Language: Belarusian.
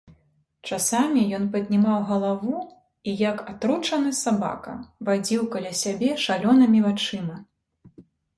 Часамі ён паднімаў галаву і, як атручаны сабака, вадзіў каля сябе шалёнымі вачыма.